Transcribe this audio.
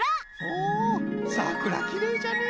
おおさくらきれいじゃね。